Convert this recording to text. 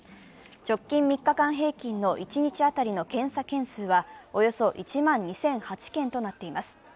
直近３日間平均の一日当たりの検査件数はおよそ１万２００８件となっています。